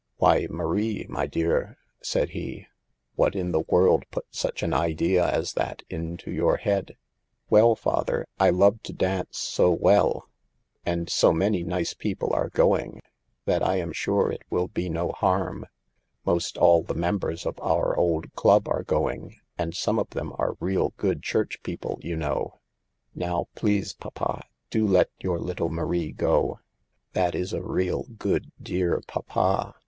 " Why, Marie, my dear," said he, " what in the world put such an idea as that into your head ?"" Well, father, I love to dance so well, and 60 SAVE THE GIRLS. so many nice people are going that I am sure it will be no harm. Most all the members of our old club are going, and some of them are real good church people, you know. Now, please, papa, do let your little Marie go, that is a real, good, dear, papa."